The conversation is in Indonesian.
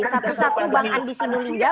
satu satu bang andi sinulinga